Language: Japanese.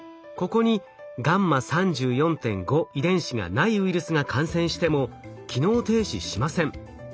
ここにγ３４．５遺伝子がないウイルスが感染しても機能停止しません。